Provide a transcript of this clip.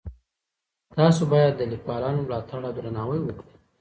تاسو بايد د ليکوالانو ملاتړ او درناوی وکړئ.